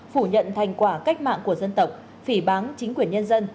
phủ nhận thành quả cách mạng của dân tộc phỉ báng chính quyền nhân dân